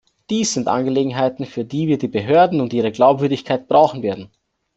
Dies sind Angelegenheiten, für die wir die Behörden und ihre Glaubwürdigkeit brauchen werden.